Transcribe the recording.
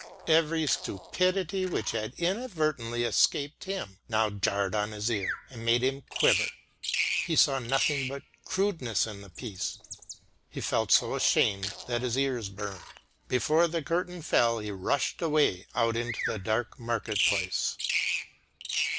Every stupidity which had inadvertently escaped him now jarred on his ear, and made him quiver; he saw nothing but crudeness in the piece; he felt so ashamed that his ears burned; before the curtain fell he rushed away out into the dark market place.